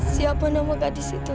siapa nama gadis itu